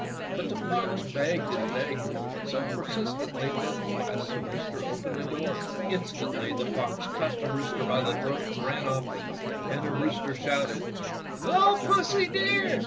But the fox begged and begged so persist ently that at last the rooster opened the door. Instantly the fox caught the rooster by the throat and ran oflf with him, and the rooster shouted: — "O Pussy, dear.